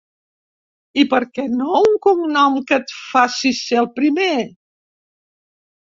I per què no un cognom que et faci ser el primer?